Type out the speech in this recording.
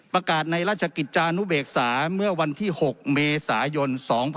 ประกาศในราชกิจจานุเบกษาเมื่อวันที่๖เมษายน๒๕๖๒